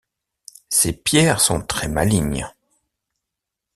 Ces pierres sont très malignes.